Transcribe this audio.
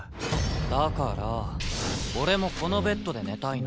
だから俺もこのベッドで寝たいの。